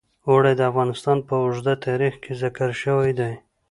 اوړي د افغانستان په اوږده تاریخ کې ذکر شوی دی.